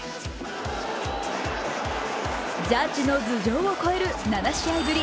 ジャッジの頭上を越える７試合ぶり